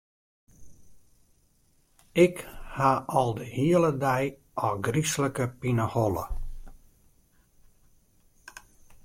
Ik ha al de hiele dei ôfgryslike pineholle.